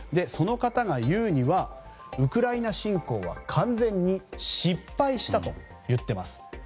その方が言うにはウクライナ侵攻は完全に失敗したと言っています。